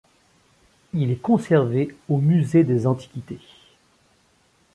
Il est conservé au musée des antiquités.